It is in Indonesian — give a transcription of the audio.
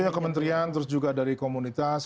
oh iya kementerian terus juga dari komunitas